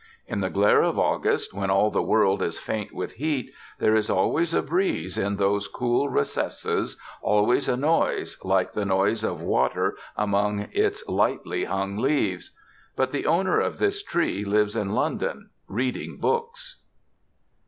In the glare of August, when all the world is faint with heat, there is always a breeze in those cool recesses, always a noise, like the noise of water, among its lightly hung leaves. But the owner of this Tree lives in London, reading books.